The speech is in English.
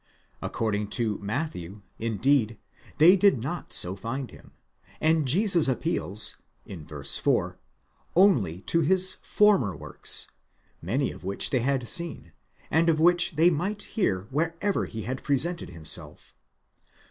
According to Matthew, indeed, they did not so find him, and Jesus appeals (v. 4) only to his former works, many of which they had seen, and of which they might hear wherever he had presented him self.